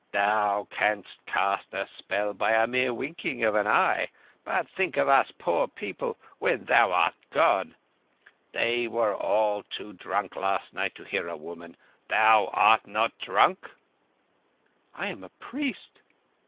Thou canst cast a spell by the mere winking of an eye. But think of us poor people when thou art gone. They were all too drunk last night to hear a woman. Thou art not drunk?" "I am a priest."